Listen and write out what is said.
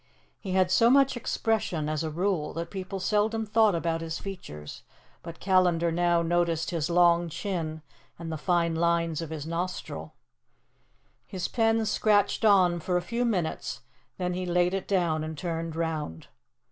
He had so much expression as a rule that people seldom thought about his features but Callandar now noticed his long chin and the fine lines of his nostril. His pen scratched on for a few minutes; then he laid it down and turned round.